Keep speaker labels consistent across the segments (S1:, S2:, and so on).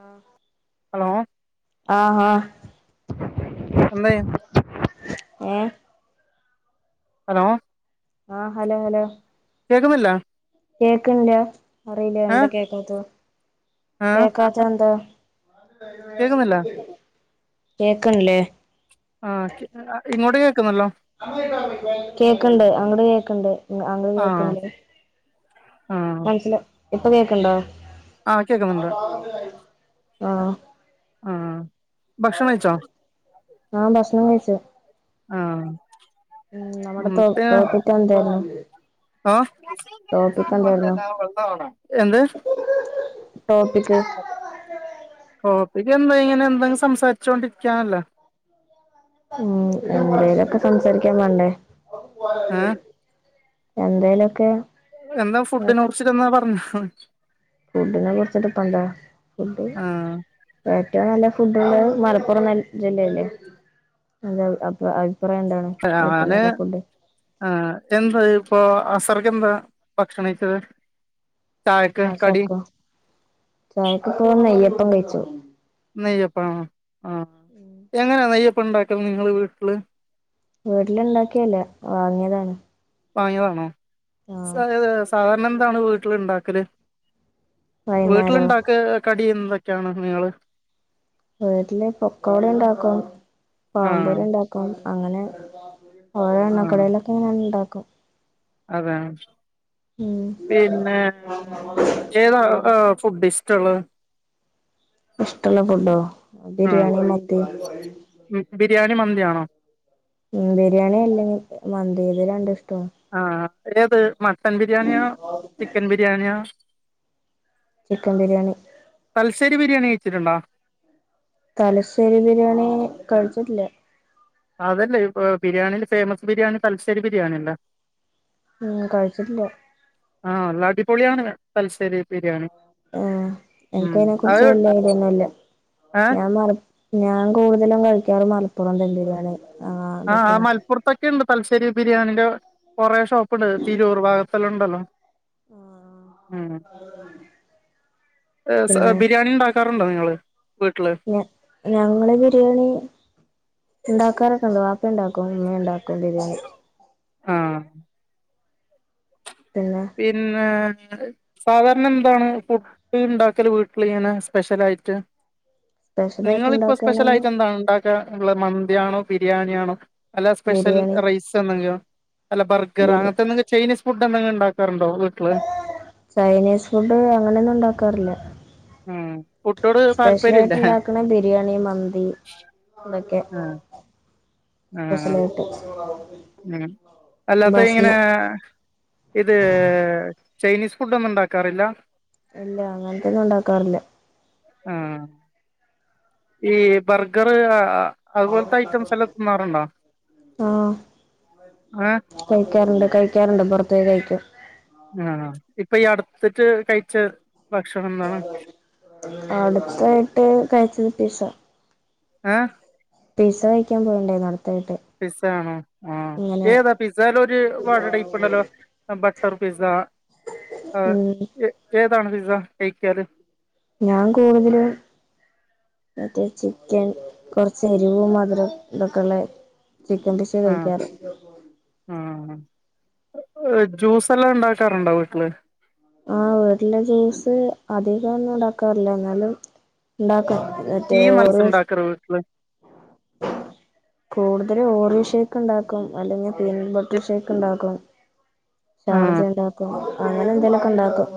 S1: ആഹ്
S2: hello
S1: ആഹ് ആഹ്
S2: [unintelligible]
S1: ഉം
S2: hello
S1: ആഹ് ഹലോ ഹലോ
S2: കേക്കുന്നില്ലാ?
S1: കേക്കിന്നില്ല അറിയില്ല
S2: ഏ
S1: എന്താ കേക്കാത്തെ
S2: ഏ
S1: കേക്കാത്തെ എന്താ?
S2: കേക്കുന്നില്ല
S1: കേക്കണില്ലേ?
S2: ആഹ് ഇങ്ങോട്ട് കേക്കുന്നല്ലോ
S1: കേക്കണ്ട് അങ്ങട് കേക്കണ്ട് അങ്ങട്
S2: ആ
S1: [unintelligible]
S2: ആ
S1: [unintelligible] ഇപ്പം കേക്കണ്ടോ?
S2: ആഹ് കേക്കുന്നുണ്ട്
S1: ആഹ്
S2: ആഹ് ഭക്ഷണം കഴിച്ചോ?
S1: ആഹ് ഭക്ഷണം കഴിച്ചു?
S2: ആഹ്
S1: ഉം നമ്മുടെ ടോ ടോപ്പിക്ക് എന്തായിരുന്നു?
S2: ആഹ്
S1: ടോപ്പിക്ക്
S2: എന്ത്?
S1: ടോപ്പിക്
S2: ടോപ്പിക്ക് എന്താ ഇങ്ങനെ എന്തെങ്കും സംസാരിച്ചോണ്ടിരിക്കാന്നല്ലേ?
S1: ഉം എന്തേലൊക്കെ സംസാരിക്കാൻ വേണ്ടേ?
S2: ഏ
S1: എന്തേലൊക്കെ
S2: എന്നാ ഫുഡ്ഡിനെ കുറിച്ചിട്ട് എന്നാ പറഞ്ഞോ
S1: ഫുഡിനെ കുറിച്ചിട്ട് ഇപ്പോ എന്താ ഫുഡ്
S2: ആ
S1: ഏറ്റവും നല്ല ഫുഡ്ഡ് ഉള്ളത് മലപ്പുറം ന ജില്ലല്ലേ? അന്റെ അ അഭിപ്രായം എന്താണ്? ഏറ്റവും
S2: ഞാന്
S1: നല്ല ഫുഡ്
S2: ആ എന്താ ഇപ്പൊ അസർക്ക എന്താ ഭക്ഷണം കയിച്ചത്?
S1: അസർക്കോ? ചായക്കിപ്പോ നെയ്യപ്പം കഴിച്ചു.
S2: നെയ്യപ്പാ ആഹ്. എങ്ങനാ നെയ്യപ്പണ്ടാക്ക്ന്ന് നിങ്ങള് വീട്ടില്?
S1: വീട്ടില്ണ്ടാക്കിയല്ല. വാങ്ങിയതാണ്.
S2: വാങ്ങിയതാണോ?
S1: ആഹ്
S2: ഈഹ് സാധാരണ എന്താണ് വീട്ടില് ഇണ്ടാക്കല്?
S1: വൈകുന്നേരോ
S2: വീട്ടില്ണ്ടാക്ക കടി എന്തൊക്കെയാണ് നിങ്ങള്?
S1: വീട്ടില് പൊക്കോട ഇണ്ടാക്കും,
S2: ആഹ്
S1: പഴംപൊരി ഇണ്ടാക്കും. അങ്ങനെ ഓരോ
S2: ആഹ്
S1: എണ്ണക്കടികളൊക്കെ ഇങ്ങനെ ഇണ്ടാക്കും.
S2: അതെ.
S1: ഉം
S2: പിന്നെ, ഏതാ ഈഹ് ഫുഡ്ഡിഷ് ടള്ളത്?
S1: ഇഷ്ടള്ള ഫുഡ്ഡോ?
S2: ആഹ്
S1: ബിരിയാണി മത്തി.
S2: ബിരിയാണി മന്തിയാണോ?
S1: ഉം ബിരിയാണി അല്ലെങ്കി മന്തി. ഇത് രണ്ടു ഇഷ്ടവാ.
S2: ആഹ്. ഏത്, മട്ടൻ ബിരിയാണിയോ ചിക്കൻ ബിരിയാണിയോ?
S1: ചിക്കൻ ബിരിയാണി.
S2: തൽശ്ശേരി ബിരിയാണി കഴിച്ചിട്ടുണ്ടോ?
S1: തലശ്ശേരി ബിരിയാണി കഴിച്ചിട്ടില്ല.
S2: അതല്ലേ, ബിരിയാണീല് ഫേമസ് ബിരിയാണി തലശ്ശേരി ബിരിയാണിയല്ലേ?
S1: ഉം കഴിച്ചിട്ടില്ല?
S2: ആഹ് നല്ല അടിപൊളിയാണ് തലശ്ശേരി ബിരിയാണി.
S1: ആഹ്
S2: ഉം
S1: എനിക്കയിനെക്കുറിച്ച്
S2: അത്
S1: വല്യ ഐഡിയൊന്നുല്ല.
S2: ഏഹ്
S1: ഞാൻ മലപ് ഞാൻ കൂടുതലും കഴിക്കാറ് മലപ്പുറം ദം ബിരിയാണി.
S2: ആഹ് ആഹ് മലപ്പുർ ത്തൊക്കെ ഇണ്ട് തലശ്ശേരി ബിരിയാണിന്റെ കുറെ ഷോപ്പ്ണ്ട്, തിരൂർ ഭാഗത്തല്ലാം ഉണ്ടല്ലോ? ഉം. ഈഹ് സ
S1: പിന്നെ
S2: ബിരിയാണി ഇണ്ടാക് ക്കാറുണ്ടോ നിങ്ങള് വീട്ടില്?
S1: ഞ ഞങ്ങള് ബിരിയാണി ഇണ്ടാക്കാറൊക്കെ ഇണ്ട്. വാപ്പ ഇണ്ടാക്കും ഉമ്മയും ഇണ്ടാക്കും ബിരിയാണി.
S2: ആഹ്.
S1: പിന്നെ?
S2: ഇന്ന് നിങ്ങള് സാധാരണ എന്താണ് ഫുഡ്ഡ് ഇണ്ടാക്കല് വീട്ടില് ഇങ്ങനെ സ്പെഷ്യലായിട്ട്.
S1: സ്പെഷ്യലായിട്ട്
S2: നിങ്ങളിപ്പോ
S1: ഉണ്ടാക്കുകയാണെങ്കിൽ
S2: സ്പെഷ്യലായിട്ട് എന്താണ് ഇണ്ടാക് ള്ള മന്തിയാണോ ബിരിയാണിയാണോ അല്ല സ്പെഷ്യൽ
S1: ബിരിയാണി
S2: റൈസ് എന്തെങ്കിലും? അല്ല ബർഗർ
S1: ബിരി
S2: അങ്ങനത്തെ എന്തെങ്കിലും ചൈനീസ് ഫുഡ്ഡ് എന്തെങ്കിലും ഇണ്ടാക്കാറുണ്ടോ വീട്ടില്?
S1: ചൈനീസ് ഫുഡ്ഡ് അങ്ങനൊന്നു ഇണ്ടാക്കാറില്ല.
S2: ഉം. ഫുഡോട്
S1: സ്പെഷ്യലായിട്ട്
S2: താല്പര്യല്ലേ
S1: ഇണ്ടാക്ക്ണെ ബിരിയാണി മന്തി ഇതൊക്കെ
S2: ആഹ് ആഹ്
S1: സ്പെഷലായിട്ട്.
S2: ഉം. അല്ലാത്ത ഇങ്ങനെ ഈഹ് ഇത് ചൈനീസ് ഫുഡ്ഡൊന്നും ഇണ്ടാക്കാറില്ല?
S1: ഇല്ല അങ്ങൻത്തെയൊന്നും ഇണ്ടാക്കാറില്ല.
S2: ആഹ് ഈ ബർഗറ് ആഹ് അത്പോലത്തെ ഐറ്റംസ് എല്ലം തിന്നാറ്ണ്ടാ? ഏഹ്?
S1: കഴിക്കാറ്ണ്ട് കഴിക്കാറ്ണ്ട് പൊറത്ത് പോയി കഴിക്കും.
S2: ആഹ്. ഇപ്പൊ ഈ അട്ത്തിട്ട് കഴിച്ച ഭക്ഷണം എന്താണ്
S1: അട്ത്തായിട്ട് കഴിച്ചത് പിസ.
S2: ഏഹ്?
S1: പിസ്സ കഴിക്കാൻ പോയിണ്ടായിന് അട്ത്തായിട്ട്.
S2: പിസ്സ ആണോ? ആഹ്. ഏതാ പിസ്സരോര് വേറെ ടൈപ്പ് ഉണ്ടല്ലോ? ബട്ടർ പിസ്സ
S1: ഉം
S2: എ ഏതാണ് പിസ്സ കഴിക്കല്?
S1: ഞാൻ കൂടുതല് മറ്റേ ചിക്കൻ കുറച്ച് എരിവും മധുരം ഇതൊക്കെയുള്ള ചിക്കൻ ടിഷ് കഴിക്കാറ്.
S2: ഉം ജ്യൂസെല്ലാം ഇണ്ടാക്കാറുണ്ടോ വീട്ടില്?
S1: ആഹ് വീട്ടില് ജ്യൂസ് അധികം ഒന്നും ഉണ്ടാക്കാറില്ല ന്നാലും ഉണ്ടാക്കും.
S2: ഈ
S1: മറ്റേ
S2: [unintelligible]
S1: കൂടുതല് ഓറിയോ ഷെയ്ക്ക് ക്കണ്ടാക്കും അല്ലെങ്കിൽ പീനി ബട്ടർ
S2: എ-
S1: ഷേയ്ക്ക് ഇണ്ടാക്കും.
S2: ആ
S1: ഷാർജ ഇണ്ടാക് അങ്ങനെ എന്തേലൊക്കെ ഇണ്ടാക്കും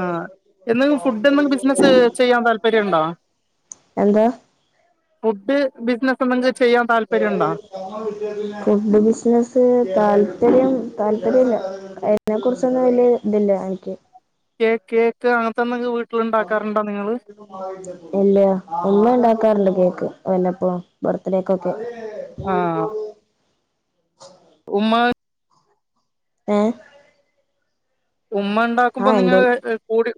S2: ആഹ് എന്തെങ്കിലും ഫുഡ് എന്തെങ്കിലും ബിസിനസ് ചെയ്യാൻ താല്പര്യുണ്ടോ?
S1: എന്താ
S2: ഫുഡ് ബിസിനസ് എന്തെങ്ക് ചെയ്യാൻ താല്പര്യണ്ടോ?
S1: ഫുഡ് ബിസിനസ് താല്പര്യം താല്പര്യല്ല. അയിനെ കുറിച്ചൊന്നും വല്യയ ഇതില്ല എനിക്ക്
S2: കേ കേക്ക് അങ്ങനത്തെ എന്തെങ്കും വീട്ടിൽ ഉണ്ടാക്കാറുണ്ടോ നിങ്ങള്?
S1: ഇല്ല ഉമ്മ ഉണ്ടാക്കാറുണ്ട് കേക്ക് വല്ലപ്പം ബർത്ത്ഡേയ്കൊക്കെ
S2: ആഹ് ഉമ്മ
S1: ഏഹ്
S2: ഉമ്മ ഉണ്ടാക്കുമ്പോ
S1: ആ
S2: നിങ്ങള്
S1: എന്തേലും
S2: കൂടി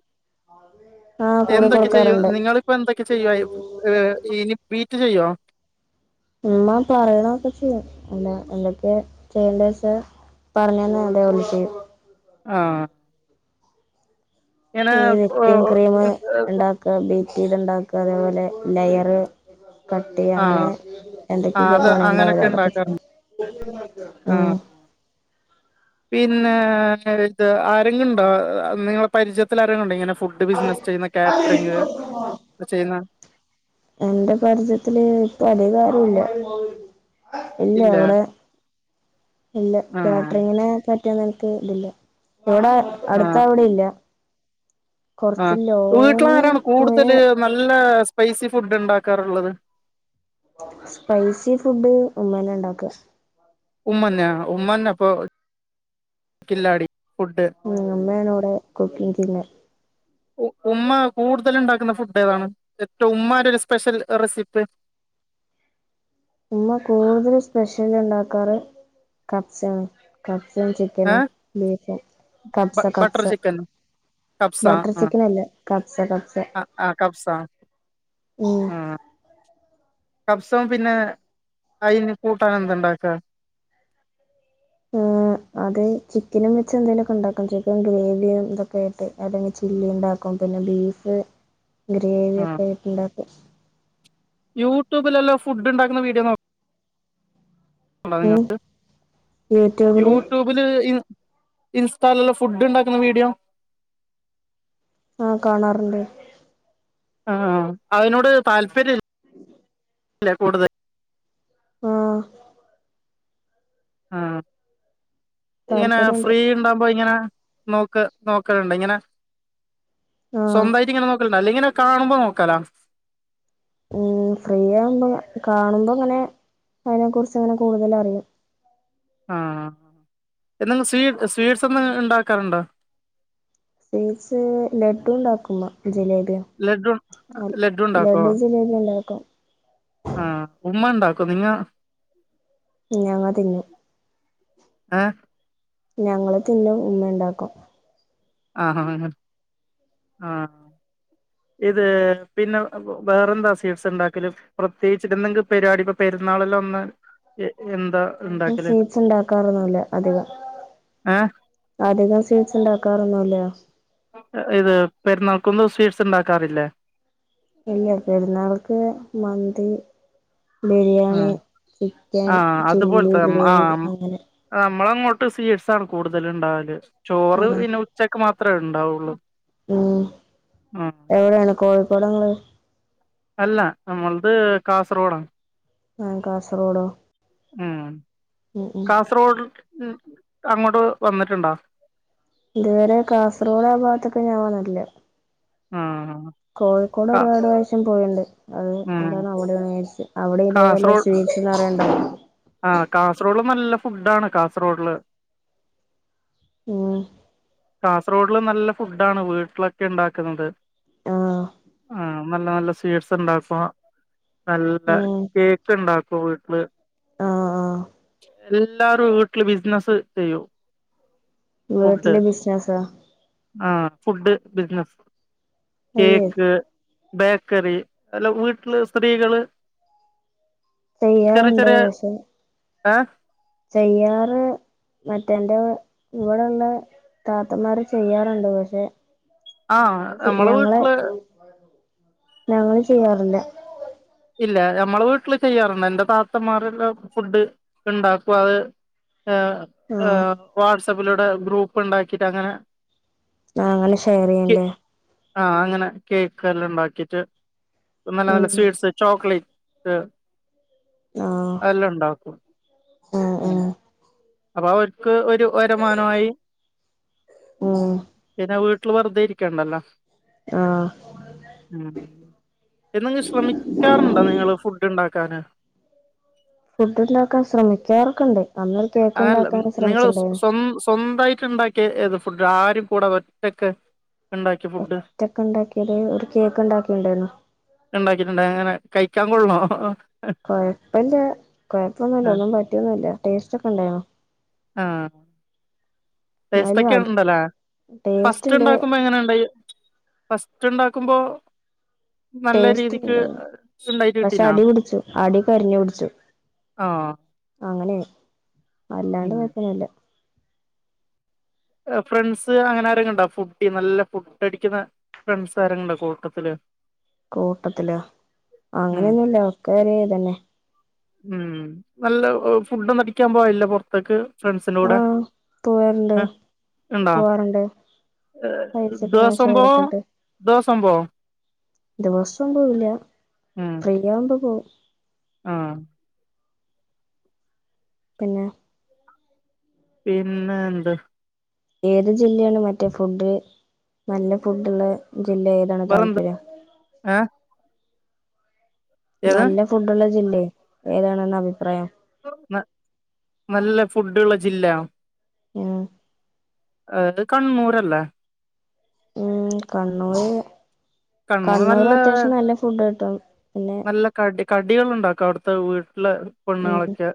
S1: ആ കൂടെ
S2: എന്തൊക്കെ ചെയ്യും
S1: കൊടുക്കാറുണ്ട്
S2: നിങ്ങളിപ്പോ എന്തൊക്കെ ചെയ്യുവ ഇനി ബീറ്റ് ചെയ്യോ?
S1: ഉമ്മ പറയണൊക്കെ ചെയ്യും അല്ല എന്തൊക്കെയ ചെയ്യണ്ട വച്ച പറഞ്ഞ തന്ന് അതേപോലെ ചെയ്യും
S2: ആഹ് ഇങ്ങനെ
S1: ഈ വിപ്പിങ്
S2: ആഹ്
S1: ക്രീമ് ഉണ്ടാക്കുക ബീറ്റെയ്ത്ണ്ടാക്ക അതേപോലെ ലയറ് കട്ടെയ്യ അങ്ങനെ
S2: ആഹ്
S1: എന്തൊക്കെയൊക്കെ
S2: അത്
S1: പണിണ്ടാവല്ലോ
S2: അങ്ങനൊക്കെ
S1: അതൊക്കെ ചെയ്യ
S2: ഉണ്ടാക്കാറുണ്ട് ആഹ് പിന്നേ ഇത് ആരെങ്കിണ്ടോ നിങ്ങളെ പരിചയത്തിൽ ആരങ്ങുണ്ടോ ഇങ്ങനെ ഫുഡ് ബിസിനസ്സ് ചെയ്യുന്ന കാറ്ററിങ് ചെയ്യുന്ന
S1: എന്റെ പരിചയത്തില് ഇപ്പൊ അധികാരുല്ല ഇല്ല വടെ ഇല്ല
S2: ആഹ്
S1: കാറ്ററിങ്ങിനെ പറ്റിയ നിനക്ക് ഇതില്ല ഇവടെ അടുത്ത
S2: ആഹ്
S1: അവിടില്ലെ?
S2: ആഹ് വീട്ടിലാരാണ്
S1: പോയ
S2: കൂടുതല് നല്ല സ്പൈസി ഫുഡ് ഉണ്ടാക്കാറുള്ളത്?
S1: സ്പൈസി ഫുഡ് ഉമ്മന്നെ ഉണ്ടാക്ക.
S2: ഉമ്മന്ന ഉമ്മന്ന അപ്പൊ കില്ലാടി. ഫുഡ്
S1: ഉം ഉമ്മാണ് വടെ കുക്കിംങ് ടിന്ന്
S2: ഉമ്മ കൂടുതൽ ഉണ്ടാക്കുന്ന ഫുഡ് ഏതാണ്? എറ്റവും ഉമ്മാന്റൊരു സ്പെഷ്യൽ റെസിപ്പി
S1: ഉമ്മ കൂടുതൽ സ്പെഷ്യൽ ഉണ്ടാക്കാറ് കപ്സയാണ് കപ്സയും,
S2: ഏ
S1: ചിക്കനും, ബീഫും. കപ്സ
S2: ബട്ടർ
S1: കപ്സ്
S2: ചിക്കൻ
S1: ബട്ടർ ചിക്കൻ അല്ല കപ്സ കപ്
S2: അ ആഹ് കപ്സ
S1: ഉം
S2: ആഹ് കബ്സം പിന്നെ അയിന് കൂട്ടാൻ എന്തണ്ടാക്ക?
S1: ഉം അത് ചിക്കനും വെച്ച് എന്തെങ്കിലൊക്കെ ഉണ്ടാക്കും ചിക്കൻ ഗ്രേവിയും ഇതൊക്കെയ ആയിട്ട് അതെങ്കെ ചില്ലി ഉണ്ടാക്കും പിന്നെ ബീഫ് ഗ്രേവി ഒക്കെ ആയിട്ട്ണ്ടാക്കും.
S2: യൂട്യൂബിലല്ലോ ഫുഡ് ഉണ്ടാക്കുന്ന വീഡിയോ നോക്
S1: ഉം
S2: നിങ്ങൾക്ക്
S1: യൂട്യൂബില്
S2: യൂട്യൂബ് ല് ഇൻ ഇൻസ്റ്റാലുള്ള ഫുഡ് ഉണ്ടാക്കുന്ന വീഡിയോ
S1: ആഹ് കാണാറുണ്ട്.
S2: ആഹാ അതിനോട് താല്പര്യ
S1: [inaudible]
S2: ല്ല കൂടുത
S1: ആഹ്.
S2: ആഹ് ഇങ്ങനെ
S1: താല്പര്യണ്ട്
S2: ഫ്രീ ണ്ടാവുമ്പോ ഇങ്ങനെ. നോക്ക് നോക്കലുണ്ട് ഇങ്ങനെ
S1: ആഹ്
S2: സ്വന്തായ്ട്ട്ങ്ങനെ നോക്കൽണ്ട അല്ലെങ്ങനെ. കാണുമ്പോ നോക്കാല.
S1: ഉം ഫ്രീയാവുമ്പോ കാണുമ്പങ്ങനെ അതിനെ കുറിച്ച്ങ്ങനെ കൂടുതൽ അറിയും.
S2: ആഹ് ന്തെങ്കും സ്വീ സ്വീറ്റ്സ് എന്തെ ഉണ്ടാക്കാറുണ്ടോ.
S1: സ്വീറ്റ്സ് ലഡു ഉണ്ടാക്കുമ്മ ജിലേബിയോ.
S2: ലഡ്ഡു
S1: എൽ
S2: ലഡ്ഡു ഉണ്ടാക്കോ
S1: ലഡു ജിലേബിയുണ്ടാക്കും.
S2: ആഹ് ഉമ്മണ്ടാക്കൊ നിങ്ങ.
S1: ഞങ്ങതിന്നു.
S2: ആഹ്.
S1: ഞങ്ങള് തിന്നും ഉമ്മയുണ്ടാക്കും.
S2: ആഹാ ആഹ്. ഇത് പിന്നെ വേറെന്താ സ്വീറ്റ്സ്ണ്ടാക്കല്. പ്രത്യേകിച്ചിരുന്നങ്കിൽ പരിവാടി പ്പൊ പെരുന്നാളെല്ലൊ ഒന്ന്. എ എന്താ.
S1: [unintelligible]
S2: ഉണ്ടാക്കല്
S1: സ്വീറ്റ്സ്ണ്ടാക്കാറൊന്നുല്ല അധികം.
S2: ഏഹ്
S1: അധികം സ്വീറ്റ്സ്ണ്ടാക്കാറൊന്നുല്ല.
S2: അ ഇത് പെരുന്നാൾക്കൊന്നു സ്വീറ്റ്സ്ണ്ടാക്കാറില്ലേ.
S1: ഇല്ല പെരുന്നാൾക്ക് മന്തി. ബിരിയാണി
S2: ആഹ്
S1: ചിക്കൻ
S2: ആഹ്
S1: ചില്ലി
S2: അതുപോലത്തെ
S1: ഗ്രേവി അങ്ങനെ.
S2: ആഹ് മ്മളങ്ങോട്ട് സ്വീറ്റ്സാണ് കൂടുതൽ ണ്ടാവല് ചോറ്
S1: ആഹ്
S2: പിന്നെ ഉച്ചക്ക് മാത്രേ ഉണ്ടാവുള്ളൂ.
S1: ഉം
S2: ആഹ്
S1: എവിടെണ് കോഴിക്കോടങ്ങള്.
S2: അല്ല അമ്മൾത് കാസർഗോഡാ.
S1: ആഹ് കാസർകോഡോ.
S2: ഉം കാസർഗോഡ് മ് അങ്ങോട്ട് വന്നിട്ടുണ്ടോ.
S1: ഇതുവരെ കാസർഗോഡ് ആ ഭാത്തക്ക് ഞാ വന്നിട്ടില്ല.
S2: ആഹ്.
S1: കോഴിക്കോട്
S2: കാ
S1: ഒരുപാട് പ്രാവശ്യം പോയിണ്ട് അത്
S2: ഉം
S1: അതാണ് അവിടെണ് ജാര്ച്ച് അവിടെ ഇതേപോലെ
S2: കാസർഗോഡ്
S1: സ്വീ ച്ച് നറയണ്ട.
S2: ആഹ് കാസർഗോഡില് നല്ല ഫുഡാണ് കാസർഗോഡ്ല്.
S1: ഉം.
S2: കാസർഗോഡ്ല് നല്ല ഫുഡാണ് വീട്ടിലൊക്കെഇണ്ടാക്കുന്നത്.
S1: ആഹ്
S2: ആഹ് നല്ല നല്ല സ്വീറ്റ്സ് ണ്ടായപ്പോ നല്ല
S1: ഉം
S2: കേക്ക് ണ്ടാക്കും വീട്ട്ല്.
S1: ആഹ് ആഹ്
S2: എല്ലാരും വീട്ടില് ബിസിനസ്സ് ചെയ്യും. ഫുഡ്
S1: വീട്ടിലെ ബിസ്നസോ.
S2: ആഹ് ഫുഡ് ബിസിനസ്
S1: അയ്യേ
S2: കേക്ക്. ബേക്കറി അല്ല വീട്ടില് സ്ത്രീകള്. ചെറിയ
S1: ചെയ്യാറുണ്ട്
S2: ചെറിയ
S1: പക്ഷെ
S2: ഏഹ്
S1: ചെയ്യാറ്. മറ്റേന്റെ ഇവിടെള്ള താത്തമാര് ചെയ്യാറുണ്ട് പക്ഷെ.
S2: ആഹ്
S1: ഞങ്ങള് ചെ
S2: നമ്മളെ
S1: ഞങ്ങളെ
S2: വീട്ടില്
S1: ഞങ്ങള് ചെയ്യാറില്ല.
S2: ഇല്ല ഞമ്മളെ വീട്ടില് ചെയ്യാറുണ്ട് എന്റെ താത്തന്മാരെല്ല ഫുഡ് ണ്ടാക്കും അത്. ഏ ഏ
S1: ആഹ്
S2: വാട്സപ്പിലൂടെ ഗ്രൂപ്പ്ണ്ടാക്കിട്ട് അങ്ങനെ.
S1: ആഹ് അങ്ങനെ ഷെയർയ്യല്ലേ.
S2: ആഹ് അങ്ങനെ കേക്ക് എല്ലാം ണ്ടാക്കിട്ട് നല്ല
S1: ഉം
S2: നല്ല സ്വീറ്റ്സ്. ചോക്ലേറ്റ് അതെല്ലാം ണ്ടാക്കും.
S1: ഉം ഉം.
S2: അപ്പൊ അവർക്ക് ഒരു വരുമാനമായി
S1: ഉ
S2: പിന്നെ വീട്ടില് വെറുതെ ഇരിക്കണ്ടല്ലോ
S1: ആഹ്
S2: എന്തെങ്കിലും ശ്രമിക്കാറുണ്ടോ നിങ്ങള് ഫുഡ് ഇ ണ്ടാക്കാന്
S1: ഫുഡ് ഉണ്ടാക്കാൻ ശ്രമിക്കാറൊ ക്കണ്ട് അന്ന്
S2: അയല്ല നിങ്ങള് സ്വ സ്വന്തായിട്ട് ഉണ്ടാക്കി ഏത് ഫുഡ് ആരും കൂടെ ഒറ്റക്ക് ഉണ്ടാക്കി യ ഫുഡ്
S1: ഒറ്റക്ക ഉണ്ടാക്കിയത് ഒരു കേക്ക് ഉണ്ടാക്കിണ്ടായിരുന്നു
S2: ഉണ്ടാക്കിട്ടുണ്ട് അങ്ങനെ കഴിക്കാൻ കൊള്ളോ
S1: കുഴപ്പഇല്ല
S2: ആ
S1: കുഴപ്പമൊന്നുല്ല ഒന്നും പറ്റിയൊന്നുഇല്ല ടേസ്റ്റ് ഒക്കെ ഉണ്ടായിരുന്നു
S2: ആഹ്
S1: എന്നാലും
S2: ടേസ്റ്റൊക്കെ
S1: അടി
S2: ഉണ്ടലെ
S1: ടേസ്റ്റ്
S2: ഫസ്റ്റ്
S1: ഉണ്ട്
S2: ഉണ്ടാക്കുമ്പോ എങ്ങനെ ഉണ്ടായി ഫസ്റ്റ് ഉണ്ടാക്കുമ്പോ നല്ല
S1: ടേസ്റ്റ്
S2: രീതിക്ക്
S1: ഉണ്ടായിരുന്നു
S2: ഉണ്ടായിട്ട്
S1: പക്ഷെ
S2: കിട്ടിനാ
S1: അടി പിടിച്ചു അടി
S2: ആഹ്
S1: അങ്ങനെയ അല്ലാണ്ട്
S2: ഉം
S1: കൊഴപ്പം ഒന്നുല്ല
S2: ഫ്രണ്ട്സ് അങ്ങനെആരെങ്കിലും ഉണ്ടാ ഫുഡ്ഢി നല്ല ഫുഡ് അടിക്കുന്ന ഫ്രൻസ് ആരെങ്കിലുണ്ടോ കൂട്ടത്തില്
S1: കൂട്ടത്തില
S2: ഉം
S1: അങ്ങനെയൊന്നുല്ല ഒക്ക ഒര് ഇതന്നെ
S2: ഉം നല്ല ഫുഡൊന്നും അടിക്കാൻ പോവല്ല പുറത്തേക്ക് ഫ്രണ്ട്സിന്റെ കൂടെ
S1: ആഹ് പോയാ ഇണ്ട്
S2: ഏഹ് ഉണ്ടോ
S1: പോവാറുണ്ട് പൈസൊക്കെ ഇങ്ങനെ ഷെയർ ഇട്ടട്ട്
S2: ദോസം പോം
S1: ദിവസോം പോവൂല്ല
S2: ഉം
S1: ഫ്രീയാവുമ്പ പോം
S2: ആഹ്
S1: പിന്നെ
S2: പിന്നെഎന്ത്
S1: ഏത് ജില്ലയാണ് മറ്റേ ഫുഡ് നല്ല ഫുഡുള്ള ജില്ലഎ
S2: വേറെന്ത് ആഹ് ഏത്
S1: നല്ല ഫുഡുള്ള ജില്ലയെ ഏതാണെന്ന അഭിപ്രായം
S2: ന നല്ല ഫുഡുള്ള ജില്ല
S1: യാ
S2: അത് കണ്ണൂരല്ലേ
S1: ഉം കണ്ണൂര് കണ്ണൂർ അത്യാവശ്യം നല്ല ഫുഡ് കിട്ടും പിന്നെ
S2: നല്ല കടി കടികൾ ഉണ്ടാക്കും അവിടത്തെ വീട്ടിലെ
S1: ഉം
S2: പെണ്ണുങ്ങളൊക്കെ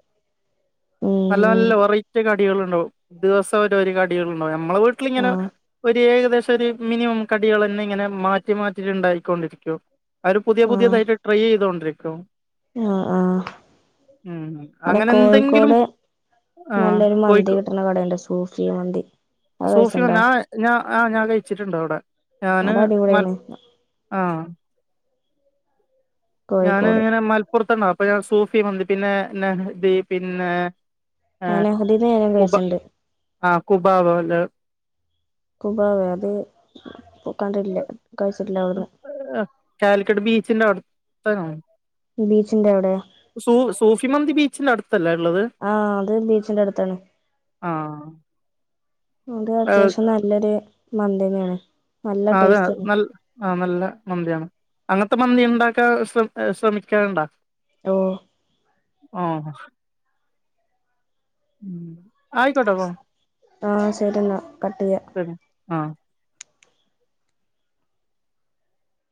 S2: നല്ല
S1: ഉം
S2: നല്ല വെറൈറ്റി കടികള് ഉണ്ടാവും ദിവസ ഇത് ഒരു കടികൾ ഉണ്ടാവും നമ്മളെ വീട്ടിൽ ഇങ്ങനെ
S1: ആഹ്
S2: ഒരു ഏകദേശം ഒരു മിനിമം കടികളന്നെ ഇങ്ങനെ മാ മാറ്റി മാറ്റിറ്റ്ഇണ്ടായികൊണ്ടിരിക്കും അവര് പുതിയ പുതിയതായിട്ട് ട്രൈ ചെയ്തൊണ്ട്രിക്കും
S1: യാ ആഹ് ഇവടെ
S2: അങ്ങനെ എന്തെങ്കിലും
S1: കോഴിക്കോട്
S2: ആ
S1: നല്ലൊരു മന്തി
S2: കോഴിക്കോ
S1: കിട്ടണ കടയ്ണ്ട് സൂഫി മന്തി അത്
S2: സൂഫി വന്ന
S1: കഴിച്ചിണ്ടാ
S2: ആ ഞാൻ ആഹ് ഞാൻ കഴിച്ചിട്ടുണ്ട് അവിടെ ഞാന്
S1: അത്
S2: മ
S1: അടിപൊളിയാണ്
S2: ആഹ് ഞാന്
S1: കോഴിക്കോട്
S2: ഇങ്ങനെ മലപ്പുറത്ത്ണ്ട അപ്പൊ ഞാൻ സൂഫി മന്തി പിന്നെ നഹദി പിന്നെ
S1: ആ നെഹദി ഞാനും കഴിച്ചിണ്ട്
S2: ആഹ് കുബാവാല്
S1: കുബാവയോ അത് കണ്ടിട്ടില്ല കഴിച്ചിട്ടില്ലാതോന്ന്
S2: ഏഹ് കാലിക്കട് ബീച്ചിന്റെ അവിടു ത്താണോ
S1: ബീച്ചിന്റെ അവിടെയാ
S2: സൂ സൂഫിമന്തി ബീച്ചിന്റെ അടുത്തല്ലേ ഉള്ളത്
S1: ആഹ് അത് ബീച്ചിന്റെ അടുത്താണ്
S2: ആ
S1: അത് അത്യാവശ്യം ന ല്ലൊരു മന്തി തന്നെആണ്
S2: അതാ നൽ ആഹ് നല്ല മന്തിയാണ് അങ്ങനത്തെ മന്തി ഉണ്ടാക്കാ ശ്ര ശ്രമിക്കാറുണ്ടാ
S1: ഓഹ് -
S2: ഓഹ് ഉം ആയിക്കോട്ടെ അപ്പൊ
S1: ആഹ് ശരിന്നാ കട്ട് ചെയ്യാ-
S2: ആഹ്